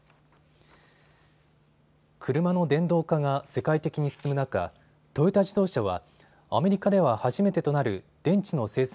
車の電動化が世界的に進む中、トヨタ自動車はアメリカでは初めてとなる電池の生産